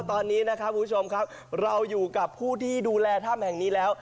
ตอนนี้นะครับคุณผู้ชมครับเราอยู่กับผู้ที่ดูแลถ้ำแห่งนี้แล้ว